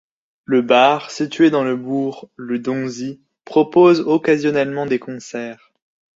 Le bar situé dans le bourg, Le Donzy, propose occasionnellement des concerts.